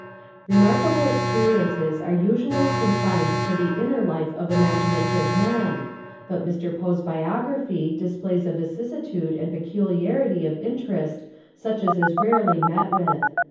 Remarkable experiences are usually confined to the inner life of imaginative men, but Mr. Poe's biography displays a vicissitude and peculiarity of interest such as is rarely met with.